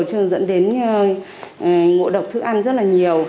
chứ không dẫn đến ngộ độc thức ăn rất là nhiều